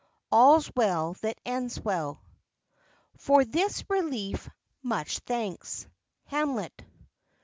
All's Well that Ends Well. "For this relief much thanks." _Hamlet.